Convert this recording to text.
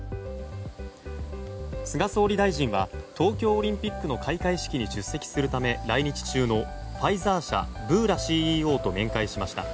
菅総理大臣は東京オリンピックの開会式に出席するため来日中のファイザー社ブーラＣＥＯと面会しました。